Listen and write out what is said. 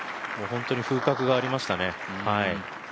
本当に風格がありましたね。